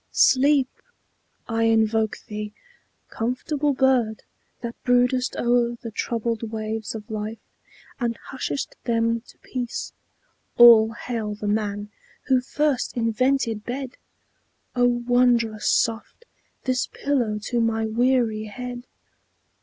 Sleep! I invoke thee, "comfortable bird, That broodest o'er the troubled waves of life, And hushest them to peace." All hail the man Who first invented bed! O, wondrous soft This pillow to my weary head!